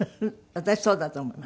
私そうだと思います。